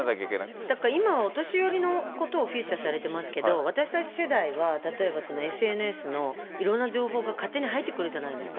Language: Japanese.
だから今、お年寄りのことをフューチャーされてますけど、私たち世代は、例えばＳＮＳのいろんな情報が勝手に入ってくるじゃないですか。